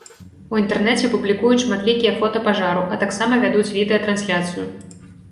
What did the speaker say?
У інтэрнэце публікуюць шматлікія фота пажару, а таксама вядуць відэатрансляцыю.